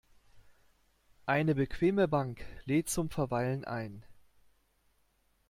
Eine bequeme Bank lädt zum Verweilen ein.